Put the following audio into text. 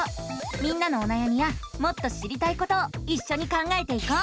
みんなのおなやみやもっと知りたいことをいっしょに考えていこう！